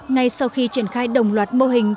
ngay sau khi triển khai đồng loạt mô hình